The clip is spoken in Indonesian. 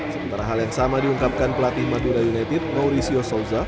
sementara hal yang sama diungkapkan pelatih madura united mauricio sauza